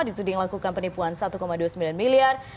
dituding lakukan penipuan satu dua puluh sembilan miliar